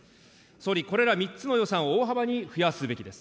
総理、これら３つの予算を大幅に増やすべきです。